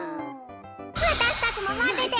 わたしたちもまぜて。